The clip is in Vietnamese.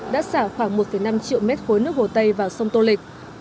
đã xả khoảng một năm triệu mét khối nước hồ tây vào sông tô lịch